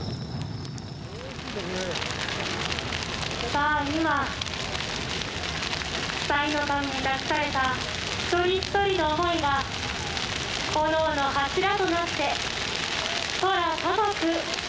さあ今「さいの神」に託された一人一人の思いが炎の柱となって空高く舞い踊っています。